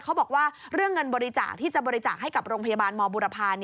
เขาบอกว่าเรื่องเงินบริจาคที่จะบริจาคให้กับโรงพยาบาลมบุรพา